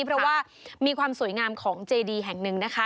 เพราะว่ามีความสวยงามของเจดีแห่งหนึ่งนะคะ